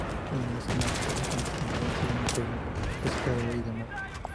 El Masnou, por lo tanto, siempre ha sido un pueblo pescador y de mar.